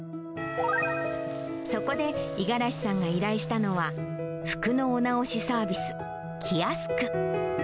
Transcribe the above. そこで、五十嵐さんが依頼したのは、服のお直しサービス、キヤスク。